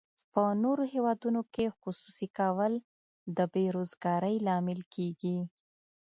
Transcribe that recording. په نورو هیوادونو کې خصوصي کول د بې روزګارۍ لامل کیږي.